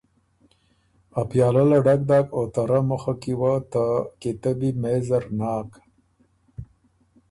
ا پیالۀ له ډک داک او ته رۀ مُخه کی وه ته کیتبي مېز زر ناک۔